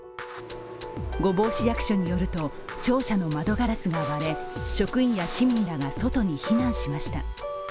御坊市役所によると庁舎の窓ガラスが割れ職員や市民らが外に避難しました。